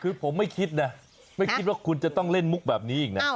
คือผมไม่คิดนะไม่คิดว่าคุณจะต้องเล่นมุกแบบนี้อีกนะ